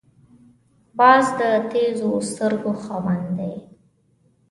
باز د تېزو سترګو خاوند دی